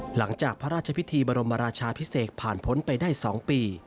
หลังจากพระราชพิธีบรมราชาพิเศษผ่านพ้นไปได้๒ปี